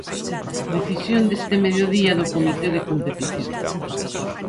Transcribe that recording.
Decisión deste mediodía do Comité de Competición.